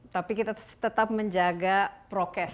tapi kita tetap menjaga prokes